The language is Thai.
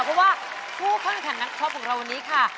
เพราะว่าผู้เข้าแข่งขันนักช็อปของเราวันนี้ค่ะ